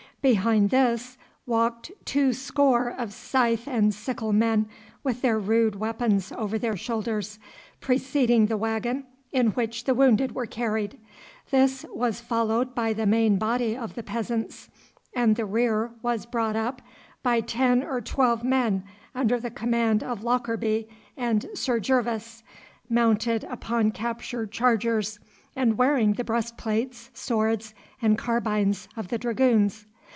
Behind this walked two score of scythe and sickle men, with their rude weapons over their shoulders, preceding the waggon in which the wounded were carried. This was followed by the main body of the peasants, and the rear was brought up by ten or twelve men under the command of Lockarby and Sir Gervas, mounted upon captured chargers, and wearing the breastplates, swords, and carbines of the dragoons.